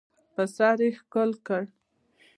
پر سر یې ښکل کړ .